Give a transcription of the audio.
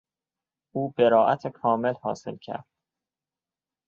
او برائت کامل حاصل کرد.